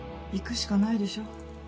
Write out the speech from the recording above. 行くしかないでしょ。